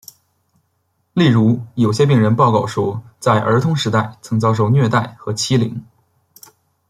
例如有些病人报告说在儿童时代曾遭受虐待和欺凌。